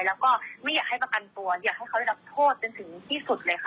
แล้วก็ไม่อยากให้ประกันตัวอยากให้เขาได้รับโทษจนถึงที่สุดเลยค่ะ